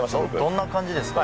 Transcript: どんな感じですか？